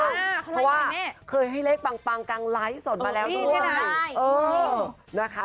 เพราะว่าเคยให้เลขปังกังไลฟ์ส่วนมาแล้วด้วย